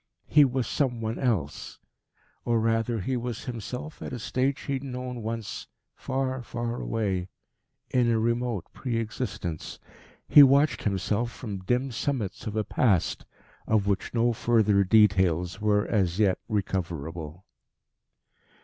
He was some one else. Or, rather, he was himself at a stage he had known once far, far away in a remote pre existence. He watched himself from dim summits of a Past, of which no further details were as yet recoverable.